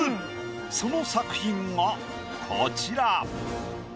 その作品がこちら。